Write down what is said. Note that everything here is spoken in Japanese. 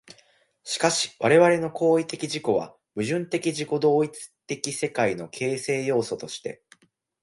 しかし我々の行為的自己は、矛盾的自己同一的世界の形成要素として、